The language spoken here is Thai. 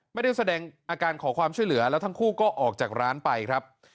ไม่ได้แสดงอาการขอความช่วยเหลือแล้วทั้งคู่ก็ออกจากร้านไปครับ